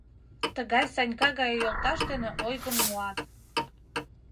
Тыгай Санька гае йолташ дене ойгым муат.